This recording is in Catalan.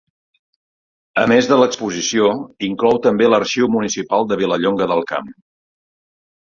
A més de l'exposició inclou també l'arxiu municipal de Vilallonga del Camp.